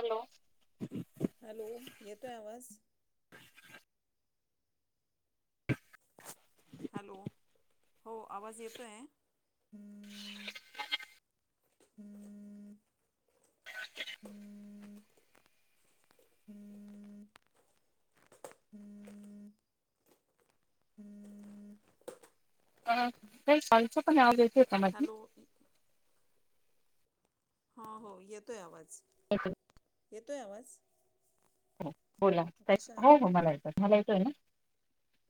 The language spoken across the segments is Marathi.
हॅलो हॅलो येतोय आवाज हॅलो हो आवाज येतोय. हम्म [inaudible] [inaudible] हम्म [inaudible] अ का कलच पण आवज येत हो का मझी हॅलो [unintelligible] [unintelligible] हो हो येतोय आवाज, येतोय आवाज हो बोला कशा हो हो आहात मला येतय मला येतय ना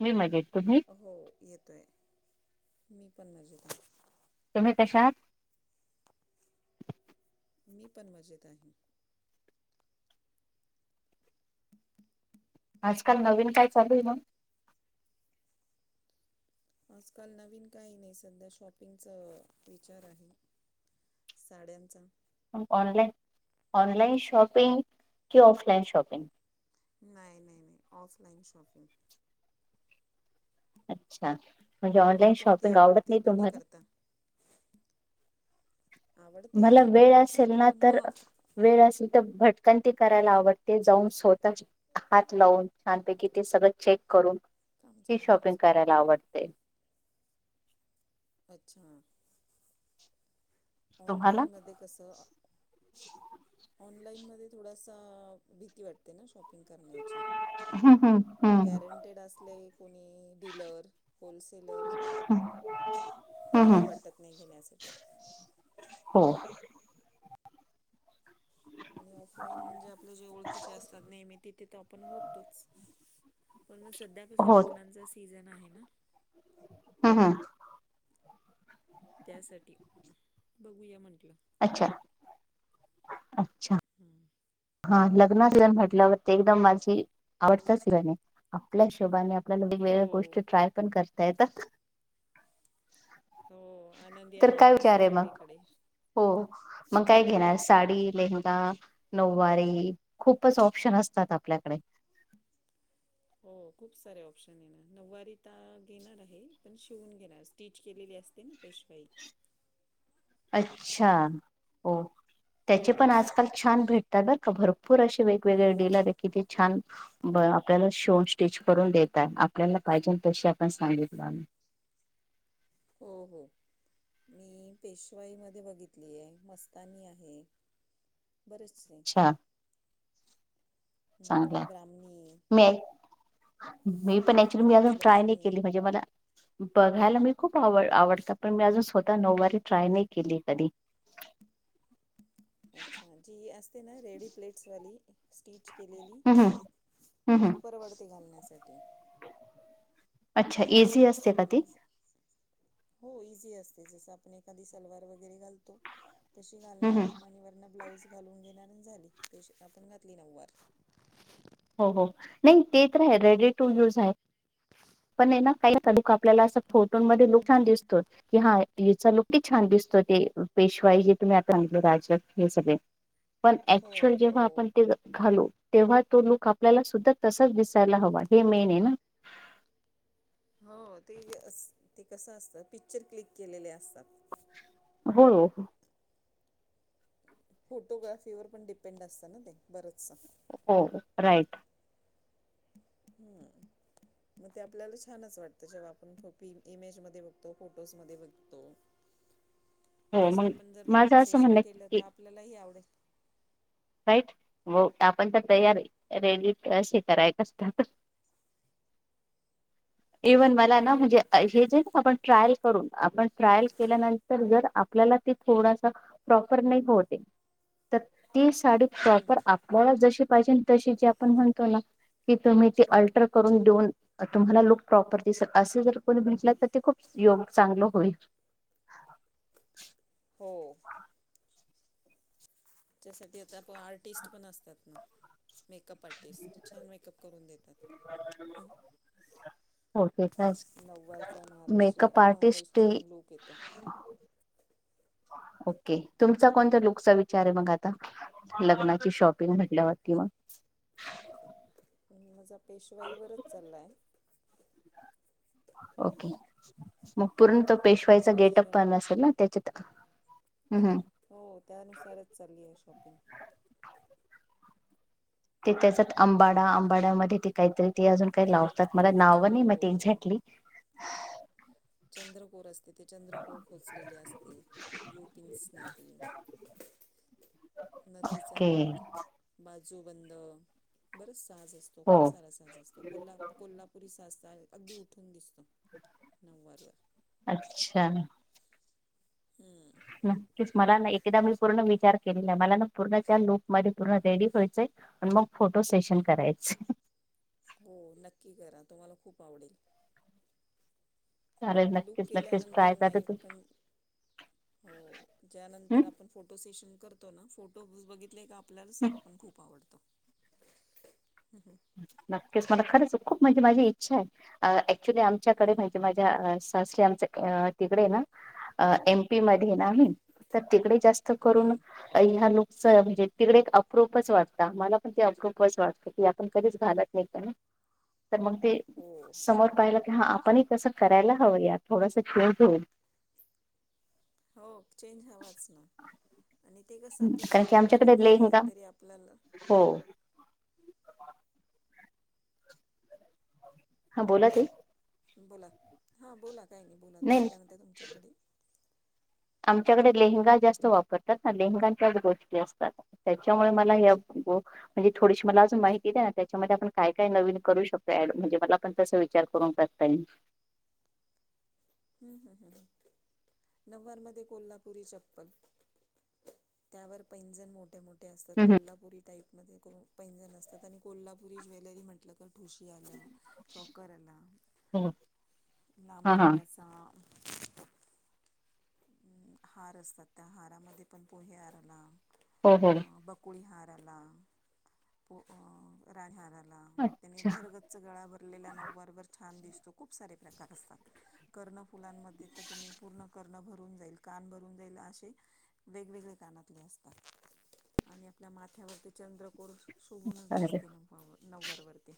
मी मग [unintelligible] हो येतोय मी पण मजेत. तुम्ही कशा आहात? मी पण मजेत आहे. आजकाल नवीन काय चालू आहे मग आजकाल नवीन काही नाही सध्या शॉपिंगचा विचार आहे साड्यांचा ऑनलाईन ऑनलाइन शॉपिंग कि ऑफलाइन शॉपिंग नाही नाही नाही ऑफलाईन शॉपिंग अच्छा म्हणजे तुम्हाला ऑनलाइन कोणती शॉपिंग आवडत आवडते नाही दोन्ही तुम्हाला करता? आवडते. मला वेळ असेल ना पण तर मग वेळ असेल तर भट क ते करायला आवडते जाऊन स्वतःच हात लावून छानपैकी ते सगळं चेक करून काम हे चालू शॉपिंग माझं करायला आवडते अच्छा तुम्हाला? ऑनलाईन मध्ये कस म थ भीती वाटते शॉपिंग करण्याची हम्म हम्म हम्म गॅरंटेड असले कोणी डीलर होलसेलर तर हम्म काही हम्म वाटत नाही घेण्यासाठी हो आणि ऑफलाईन म्हणजे आपले जे ओळखीचे असतात नेहमी तिथे तर आपण होतोच पण मग सध्या कस लग्नाचा सीझन आहे ना हम् हम् त्यासाठी बघूया म्हण अच्छा अच्छा हम् हा लग्ना सिन म्हटल्यावर ते एकदम माझी आवडता सिजन आहे आपल्या शशोबाने आपल्याला हो वेगवेगळ्या गोष्टी ट्राय पण करता येत हो आनंदी तर काय आनंद विचार असतो आहे मग सगळीकडे. हो मग काय घेणार साडी लहा नऊवारी खूपच ऑप्शन असतात आपल्याकडे हो खूप सारे ऑप्शन येणार नऊवारी घेणार आहे पण शिवून घेणार स्टीच के ते ना पेशपई अच्छा हो त्याचे पण आजकाल छान भेटतात बर का भरपूर असे वेगवेगळे डिलर आहे कि ते छान आपल्याला शो स्टिच करून देत आपल्याला पाहिजे तशी आपण सांगितलं आम्ही हो हो मी पेशवाई मध्ये बघितली आहे मस्तानी आहे भरत सिंग अच्छा चांगलं मी मी पण ऍचुली मी अजून ट्राय नाही राजलक्ष्मी केली म्हणजे मला बघायला मी खूप आव आवडत पण मी अजून स्वतः नऊवारी ट्राय नाही केली कधी अच्छा जी अस ना रेडी प्लेटस हम्म हम्म त हम्म परवडते घालण्या अच्छा एझी असते का ती हो इझी असते जस आपण एखादी सलवार वगैरे घालतो तशी हम्म हम्म. घालणार आणि वरण ब्लाउज घालून घेणार झाली ते आपण घातली नऊवार हो हो नाही ते तर आहे रेडी टू यूज आहे पण ना काही लक आपल्याला अस फोटोमध्ये लुक छान दिसतो की हा याचा लुक छान दिसतो ते पेशवाई जे तुम्ही आ आणले राज हे सगळे पण हो ऍक्च्युअल हो जेव्हा आपण ते घालो तेव्हा तो लक आपल्याला सुद्धा तसंच दिसायला हवा हे मेन आहे ना? हो तेही अस ते कसं असतं पिक्चर क्लिक केलेले असतात. हो हो. फोटोग्राफीवर पण डिपेंड असतं ना ते बरचसं. हो राईट. हम्म. मग ते आपल्याला छानच वाटतं जेव्हा आपण कॉपी इमेजमध्ये बघतो फोटोजमध्ये बघतो. हो तसं मग आपण जर फोटो माझं असं सेशन म्हणणं केलं की तर आपल्यालाही आवडेल हो आपण तर बोल तयार आहे रेडी अशी कराय काय असत्यात. इव्हन मला ना. हो म्हणजे हे जे आहे ना आपण. ट्रायल करून. आपण ट्रायल केल्यानंतर जर आपल्याला ते थोडासा प्रॉपर नाही का होते. तर ती साडी प्रॉपर आपल्याला जशी पाहिजे. तशी जे आपण म्हणतो ना. कि तुम्ही ते अल्टर करून देऊन. तुम्हाला लुक प्रॉपर दिसेल असे, जर कोणी म्हटले तर ते खूप, योग चांगल होईल. हो. त्यासाठी आता आर्टिस्ट पण असतात. ना. Makeup artist. छान मेकअप करून देतात. होय देतात. नऊवारचा मेकअप महाराष्ट्रीयन आर्टिस्ट ही. महाराष्ट्रीयन लुक येतो ओके तुमचा कोणता लुकचा विचार आहे मग आता. लग्नाची शॉपिंग म्हटल्यावरती मग. माझा पेशवाईवररच चाललाय. ओके मग पूर्ण तो पेशवायचा गेटप महाराष्ट्रीयन पण लुक असेल ना त्याच्यात. हम्म हो त्यानुसारच चालली आहे शॉपिंग. ते त्याच्यात आंबाडा आंबाड्यामध्ये त काहीतरी त अजून काही लावत तात. मला नाव नाही माहिती हो एक्झॅक्टली. चंद्रकोर असते ते चंद्रकोर खोचलेली असते यू पिन्सने ती नथीचा. के लूक बाजूबंद बरच. साज असतो. हो खूप सारा साज असतो. कोल्हा कोल्हापुरी साज अगदी उठून दिसतो. नऊवारवर अच्छा. हम्म. मला ना एकदा मी पूर्ण विचार केलेला आहे. मला ना पूर्ण त्या लुक मध्ये पूर्ण रेडी व्हायचंय आहे. मग फोटो सेशन करायचं. हो नक्की करा तुम्हाला खूप आवडेल. चालेल लूक नक्कीच-नक्कीच केल्यानंतर ट्राय करते. नाही तू पण हो ज्यानंतर हम्म आपण फोटो सेशन. करतो ना फोटो बघितले की आपल्याला साज खूप आवडतो. नक्कीच मला खरंच खूप म्हणजे माझी इच्छा आहे. आ ऍक्च्युली आमच्याकडे हम्म माहितीेये माझ्या सासरी आमच्या तिकडे ए ना. एम. पी. मध्ये आहे ना आम्ही तर तिकडे जास्त. त करून अ ह्या लुकच च म्हणजे तिकडे एक अप्रूपच वाटत. मला पण ते अप्रूपच वाटत की पण कधीच घालत नाही. तर मग ते हो समोर पाहिल कि हा आपणही कसं करायला हवं यार. थोडस चेंज होऊ. हो चेंज हवाच. आणि. ते कस आपलं कारण की आमच्याकडे पारंपरिक आहे. लेहंगा तरी आपल्याला. हो हा बोला. ताई. बोला हा बोला काही आणि बोला तुम्ही नाही काय म्हणता तुमच्याकडे. आमच्याकडे लेहंगा जास्त वापरतात ना. लेहंगांच्या गोष्टी असतात. त्याच्यामुळे मला हे ताई म्हणजे थोडीशी मला अजून माहिती द्याना. त्याच्यामध्ये आपण काय-काय नवीन करू शकतो ऍड. म्हणजे मलापण तस विचार करून. करता येईल. ह्ह्हह्ह [unintelligible] हं हं नववार मधे कोल्हापुरी चप्पल त्यावर पैंजण मोठे, मोठे, असतात हम्म कोल्हापुरी टाईप मध्ये. पैजन असतात आणि कोल्हापुरी ज्वेलरी म्हटलं तर ठुशी आल्या, चॉकर आला. [unintelligible] लांब हा हा पल्लाच. हार असतात त्या हारामध्ये पण पोहे हार आला हो हो अ बकुळी हार पोहे आला पो राज हार [unintelligible] त्याने अच्छा भरगच्च गळा भरलेल्या नववार वर छान दिस खूप सारे प्रकार असतात, कर्ण फुलांमध्ये त तुम्ही पूर्ण कर्ण भ रून जाईल, कान भरून जाईल, असे वेगवेगळे कानातले असतात. आणि आपल्या माथ्यावरती चंद्रकोर. शोभूनच अरे दिसते नवावर नववार वरती.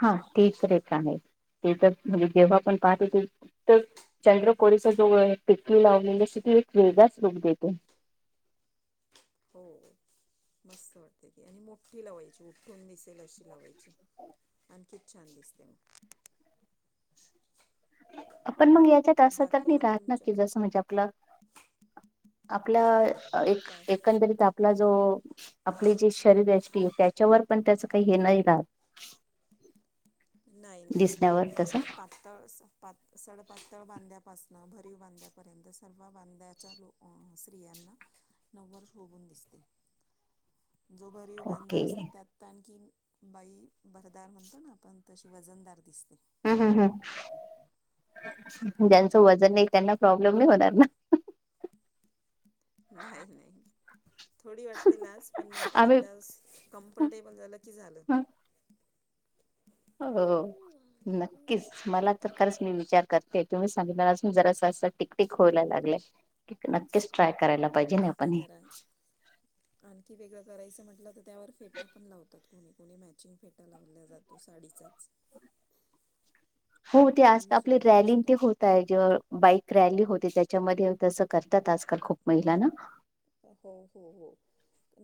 हा तीच रेखा आहे, ते तर म्हणजे जेव्हा आपण पाहतो हम्म ते तर चंद्र कोरीच्या जवळ आहे, टिकली लावलेली असते ती एक वेगळाच लुक देते. हो मस्त वाटते ती आणि मोठी लावायची उठून दिसत. तेल अशी लावायची आणखी छान दिसते मग. पण मग याच्यात असं तर बाकी नही मग राहत ना तुमच्या की जसं म्हणजे आपलं, आपलं. एक काय एकंदरीत आपला जो आपली जी शरीरयष्टी हे त्याच्यावर पण त्याच काही हे नाही राहत. नाही, दिसण्यावर नाही तसं पातळ असा. सडपातळ बांध्यापासन, भरीव बांध्यापर्यंत सर्व बांध्याच्या लो स्त्रियांना नववार शोभून दिसते. जो बरीव बांधा ओके असतात त्यात आणखी बाई, भरदार म्हणतो ना आपण. तशी वजनदार दिस हम्म हम्म हम्म ज्यांचं वजन नही, त्यांना प्रॉब्लेम नही होणार ना. नाही नाही. थोडी वाटते लाज पण नंतर आम्ही एकदा कम्फर्टेबल झालं की झालं. हो! नक्कीच मला तर खरंच मी विचार करते, तुम्ही सांगितल्या पासून, जरासं अस टिकटक व्होयला लाग ल नक्कीच ट्रॅय करतीय. नक्की करा, आणखी वेगळं करायचं म्हंटलं तर त्यावर फेटा पण लावतात कोणी. पुणे मॅचिंग फेटा लावल्या जातो साडीचाच. हो ते आज तोही आपल्या सुंदर रॅलींग दिसतो. ते होत आहे जेव्हा बाईक. रॅली होते त्याच्यामध्ये तसं करतात आजकाल खूप महिला ना. हो हो हो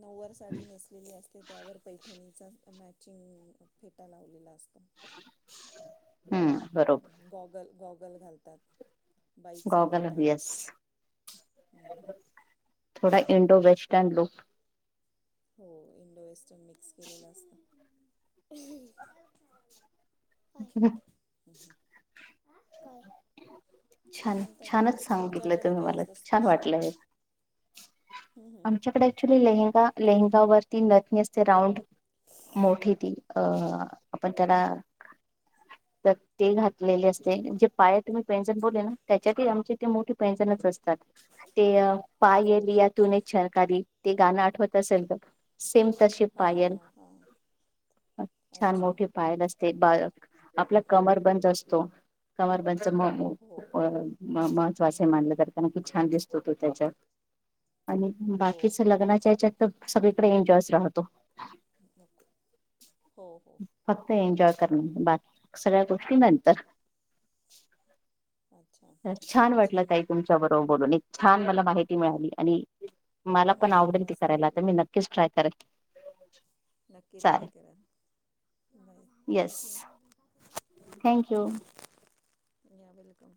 नववार साडी नेसलेली असते त्यावर पैठणीचा मॅचिंग फेटा लावलेला अस [inaudible] बरोबर गॉगल, गॉगल घालतात. बाईक गॉगल चालवतात. येस थोडा इंडो वेस्टर्न लुक. हो इंडो वेस्टन मिक्स केलेला असत. [inaudible] [inaudible] काय छान, म्हणतात छानच सांगितलं तुमच्याकडे तुम्ही काय मला असतं छान, स्पेशल? वाटलं हे. आमच्याकडे ऍक्च्युली लेहगा लेहंगावरती नथनी असते, राऊंड मोठी ती अ आपण त्याला तर ते घातलेले असते म्ह जे पाया तुमी पैंजण बोले ना, त्याच्यातही आमचे ते मोठी पैंजनच अस ते हो पायलिया तुने छनकारी ते गाणं, आठवत असेल त सेम तशी हां पायल हां हां छान अच्छा मोठीे पायल असते बा आपला कमरबंद असतो कमरबंद हो महत्वा मलं ज छान दिसतो तो त्याच्या आणि हो बाकीच हो लग्नाच्या याच्यात तर सगळीकडे एन्जॉयच राहतो हो हो फक्त एन्जॉय सगळ्या गोष्टी नंतर अच्छा छान वाटलं ताई तुमच्या बरोबर बोलून आणि एक छान मला माहिती मिळाली मला पण मलाही आवडेल ते मस्त करायला तर वाटलं मी पण नक्कीच ट्राय करेल नक्की ट्राय करा bye thank you thank you welcome